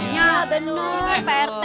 iya bener pak rete